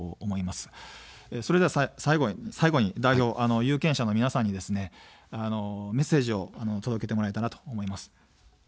それでは最後に代表、有権者の皆さんにメッセージを届けてもらえたらと思います。